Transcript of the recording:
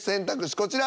こちら。